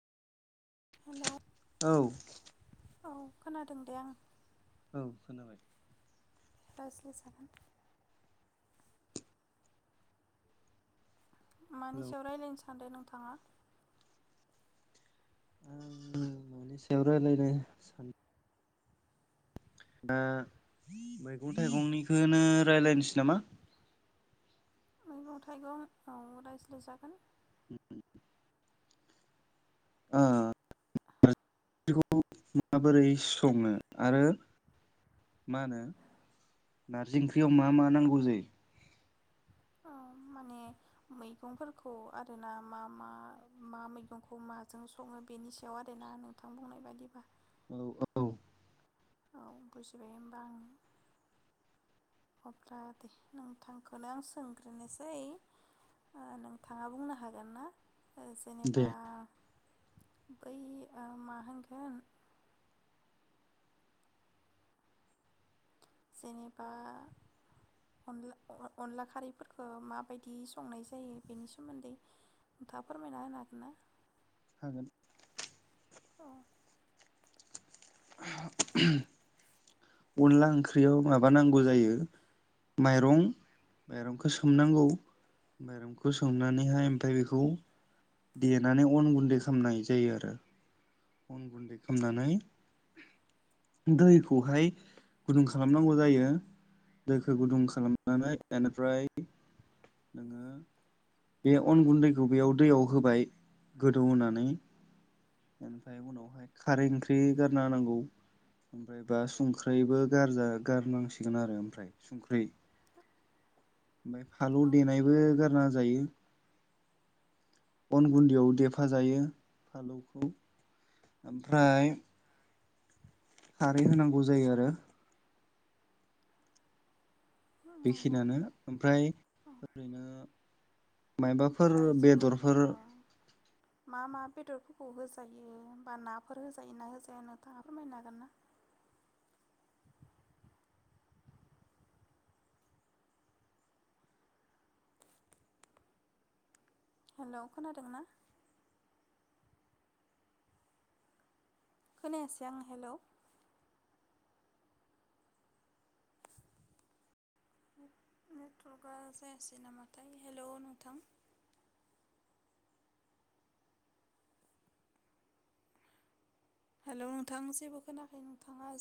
Hello औ। औ खोनादों दे आं। औ खोनाबाय। रायज्लाय जागोन। मानि हेलौ सायाव रायज्लायनो सानदों नों थाङा? मानि सायाव रायलायनो सान दा मैगं थाइगंनिखौनो राय्लायनोसै नामा? मैगं थाइगं औ रायज्लायजागोन। ओ नारजिखौ माबोरै सङो आरो मा होनो नारजि ओंख्रियाव मा मा नांगौ जायो? औ माने मैगंफोरखौ आरोना मा मा मा मैगंखौ माजों सङो बेनि सायाव आरो ना नोंथां बुंनाय बायदिबा। औ औ औ बुजिबाय होमबा आङो। अब्ला दे नोंथांखौनो आं सोंग्रोनोसै ओ नोंथाङा बुंनो हागोन ना? ओ जेनेबा दे बै ओ मा होनगोन जेनेबा अनला अनला खारैफोरखौ माबायदि संनाय जायो बेनि सोमोन्दै नोंथाङा फोरमायना होनो हागोन ना? हागोन। औ [unintelligible] अनला ओंख्रियाव माबाानांगौ जायो माइरं माइरंखौ सोमनांगौ माइरंखौ सोमनानैहाय ओमफ्राय बेखौ देनानै अन गुन्दै खालामनाय जायो आरो अन गुन्दै खालामनानै दैखौहाय गुदुं खालामनांगौ जायो दैखौ गुदुं खालामनानै बेनिफ्राय नोङो बे अन गुन्दैखौ बेयाव दैयाव होबाय गोदौ होनानै इनिफ्राय उनावहाय खारै ओंख्रि गारना होनांगौ ओमफ्राय बा संख्रै ओमफ्रायबो गारजा गारनांसिगोन आरो ओमफ्राय संख्रै। ओमफ्राय फालौ औ देनायबो गारना होजायो अन गुन्दैयाव देफा जायो फालौखौ। ओमफ्राय खारै होनांगौ जायो आरो। औ नंगौ बेखिनियानो ओमफ्राय ओरैनो मायबाफोर ओमफ्राय जेने बेदरफोर औ मा मा बेदरफोरखौ होजायो बा नाफोर होजायो ना होजाया नोंथाङा फोरमायनो हागोन ना? हेलौ खोनादों ना? खोनायासै आं हेलौ। नेटवर्कआ जायासै नामाथाय हेलौ नोंथां। हेलौ नोंथां जेबो खोनाखै नोंथाङा